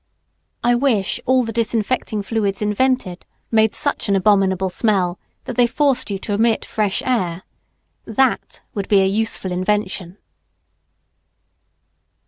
I wish all the disinfecting fluids invented made such an "abominable smell" that they forced you to admit fresh air. That would be a useful invention.